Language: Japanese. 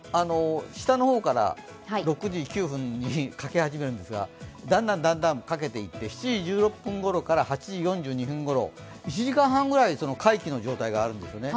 下の方から、６時９分に欠け始めるんですが、だんだん欠けていって、７時１６分ごろから８時４２分頃、１時間半の間皆既があるんですね。